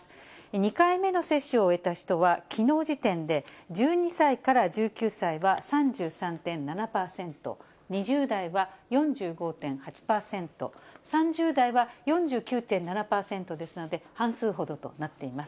２回目の接種を終えた人はきのう時点で、１２歳から１９歳は３３．７％、２０代は４５．８％、３０代は４９．７％ですので、半数ほどとなっています。